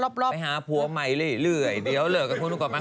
แล้วก็นางไปหาผัวใหม่เรื่อยเดี๋ยวเหลือกันพูดก่อนมา